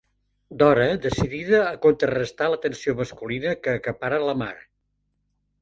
Dora, decidida a contrarestar l'atenció masculina que acapara la Mar—.